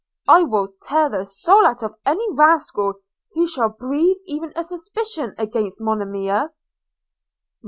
– I will tear the soul out of any rascal, who shall breathe even a suspicion against Monimia.'